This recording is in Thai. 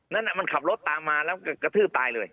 นั่นมันขับรถตามมาแล้วกระทืบตายเลย